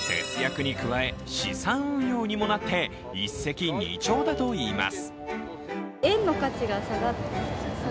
節約に加え資産運用にもなって一石二鳥だといいます。